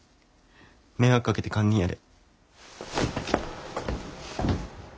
迷惑かけて堪忍やで。